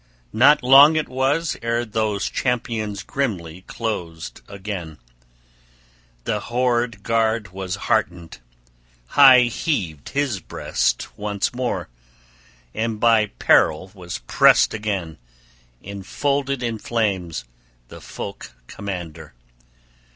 Not long it was ere those champions grimly closed again. The hoard guard was heartened; high heaved his breast once more; and by peril was pressed again, enfolded in flames, the folk commander!